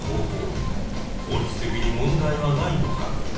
法律的に問題はないのか？